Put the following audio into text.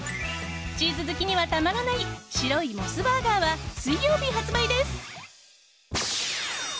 チーズ好きにはたまらない白いモスバーガーは水曜日発売です。